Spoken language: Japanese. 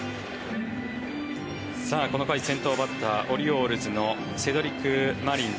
この回、先頭バッターオリオールズのセドリック・マリンズ。